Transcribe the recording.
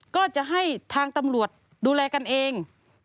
ก็จะให้ทางตำรวจดูแลกันเอง